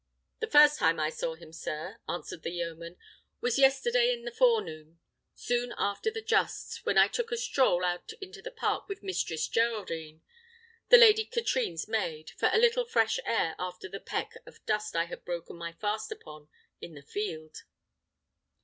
"The first time I saw him, sir," answered the yeoman, "was yesterday in the forenoon, soon after the justs, when I took a stroll out into the park with Mistress Geraldine, the Lady Katrine's maid, for a little fresh air after the peck of dust I had broken my fast upon in the field.